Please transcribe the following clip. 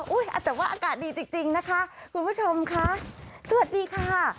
อุ้ยอาจจะว่าอากาศดีจริงจริงนะคะคุณผู้ชมค่ะสวัสดีค่ะ